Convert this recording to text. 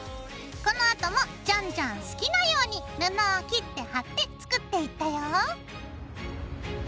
このあともじゃんじゃん好きなように布を切って貼って作っていったよ。